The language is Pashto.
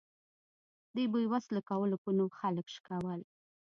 د بې وسلو کولو په نوم خلک شکول.